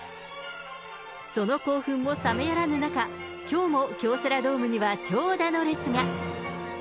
その興奮も冷めやらぬ中、きょうも京セラドームには長蛇の列が。